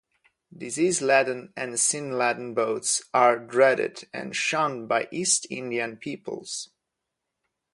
Disease-laden and sin-laden boats are dreaded and shunned by East Indian peoples.